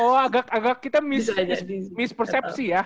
oh agak agak kita mispersepsi ya